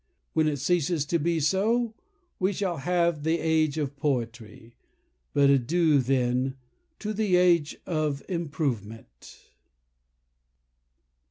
When it ceases to be so, we shall have the age of poetry; but adieu, then, to the age of improvement!